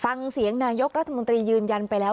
ฟังเสียงรัฐจรรยุกธ์นายกรัฐมนตรียืนยันไปแล้ว